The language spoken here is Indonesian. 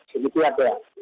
begitu aja ya